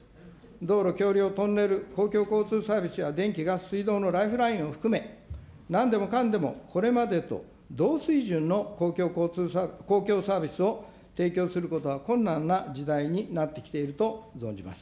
道路、橋りょう、トンネル、公共交通サービスや電気、ガス、水道のライフラインを含め、なんでもかんでも、これまでと同水準の公共サービスを提供することは困難な時代になってきていると存じます。